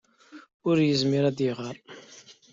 Ur yezmir ad iɣeṛ.